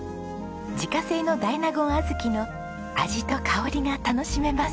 自家製の大納言小豆の味と香りが楽しめます。